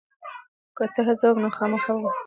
که ته هڅه وکړې نو خامخا به بریا ته ورسېږې.